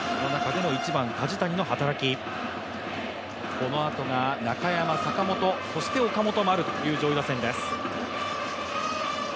このあとが中山、坂本、そして岡本、丸という上位打線です。